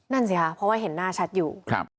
นั่นสิค่ะเพราะว่าเห็นหน้าชัดอยู่